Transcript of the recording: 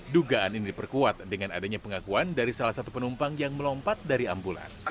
dugaan ini diperkuat dengan adanya pengakuan dari salah satu penumpang yang melompat dari ambulans